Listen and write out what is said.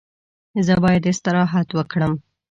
زه باید استراحت وکړم.